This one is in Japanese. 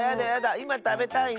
いまたべたいの。